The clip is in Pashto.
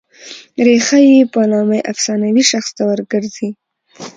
ریښه یې په نامه افسانوي شخص ته ور ګرځي.